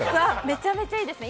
めちゃめちゃいいですね。